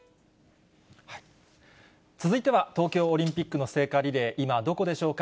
続いては東京オリンピックの聖火リレー、今どこでしょうか。